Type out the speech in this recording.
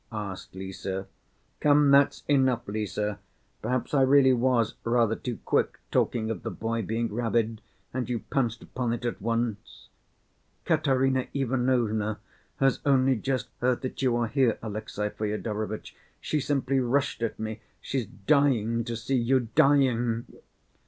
asked Lise. "Come, that's enough, Lise, perhaps I really was rather too quick talking of the boy being rabid, and you pounced upon it at once Katerina Ivanovna has only just heard that you are here, Alexey Fyodorovitch, she simply rushed at me, she's dying to see you, dying!"